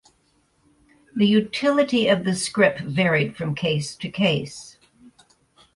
The utility of the scrip varied from case to case.